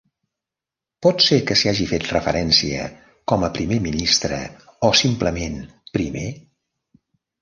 Pot ser que s'hi hagi fet referència com a primer ministre, o simplement primer.